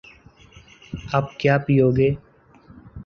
آپ کیا پیو گے